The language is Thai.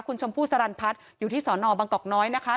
คุณชมพู่สรรพัฒน์อยู่ที่สอนอบังกอกน้อยนะคะ